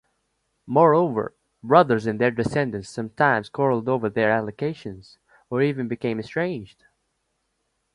Moreover, brothers and their descendants sometimes quarreled over their allocations, or even became estranged.